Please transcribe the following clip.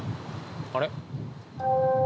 あれ？